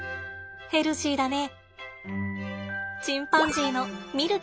ヘルシーだね。